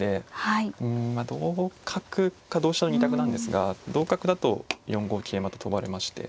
同角か同飛車の２択なんですが同角だと４五桂馬と跳ばれまして。